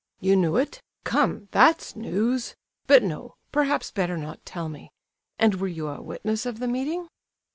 "You knew it? Come, that's news! But no—perhaps better not tell me. And were you a witness of the meeting?"